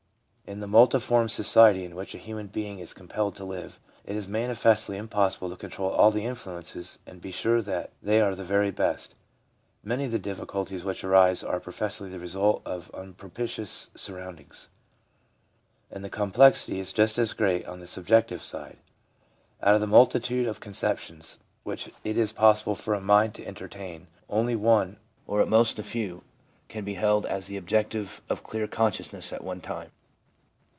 In the multiform society in which a human being is compelled to live, it is manifestly impossible to control all of the influences and be sure that they are the very best — many of the difficulties which arise are professedly the result of unpropitious surroundings. And the complexity is just as great on the subjective side. Out of the multitude of conceptions which it is possible for a mind to entertain, only one, or at most a few, can be held as the object of clear con sciousness at one time.